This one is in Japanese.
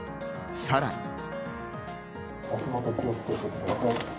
さらに。